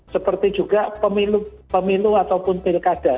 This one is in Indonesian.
seperti juga pemilu ataupun pilkada